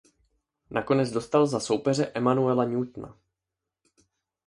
Nakonec dostal za soupeře Emanuela Newtona.